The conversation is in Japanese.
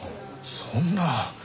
そんな。